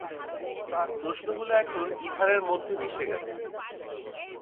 প্রশ্নগুলো এখন ইথারের মধ্যে মিশে গেছে।